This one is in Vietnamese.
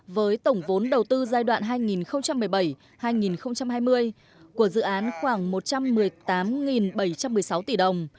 với tổng vốn đầu tư giai đoạn hai nghìn một mươi bảy hai nghìn hai mươi của dự án khoảng một trăm một mươi tám bảy trăm một mươi sáu tỷ đồng